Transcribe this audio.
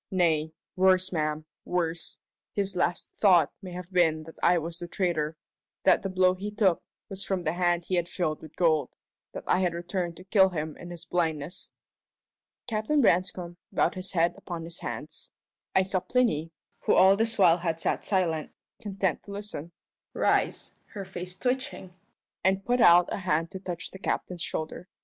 Nay worse, ma'am, worse his last thought may have been that I was the traitor that the blow he took was from the hand he had filled with gold that I had returned to kill him in his blindness!" Captain Branscome bowed his head upon his hands. I saw Plinny who all this while had sat silent, content to listen rise, her face twitching, and put out a hand to touch the captain's shoulder.